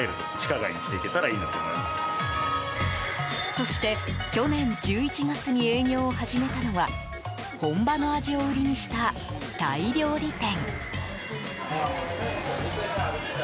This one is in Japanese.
そして去年１１月に営業を始めたのは本場の味を売りにしたタイ料理店。